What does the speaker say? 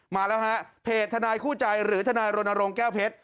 มาแล้วฮะเพจทนายคู่ใจหรือทนายรณรงค์แก้วเพชร